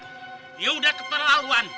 dia udah keperlaluan